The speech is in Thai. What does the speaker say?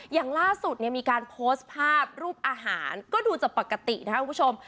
อย่างล่าสุดเนี่ยมีการโพสต์ภาพรูปอาหารก็ดูจะปกตินะครับคุณผู้ชม